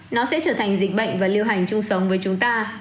nó sẽ trở thành dịch bệnh và lưu hành chung sống với chúng ta